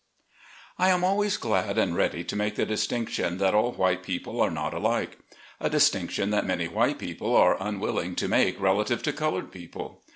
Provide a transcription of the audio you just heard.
AM always glad and ready to make the dis tinction that all white people are not alike. A distinction that many white people are unwilling to make relative to colored people.